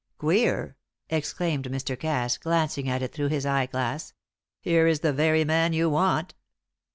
"Queer!" exclaimed Mr. Cass, glancing at it through his eye glass. "Here is the very man you want."